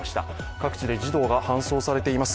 各地で児童が搬送されています。